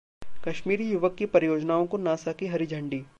कश्मीरी युवक की परियोजनाओं को नासा की हरी झंडी